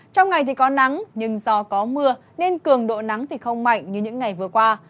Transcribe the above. trong ngày thì có nắng nhưng do có mưa nên cường độ nắng thì không mạnh như những ngày vừa qua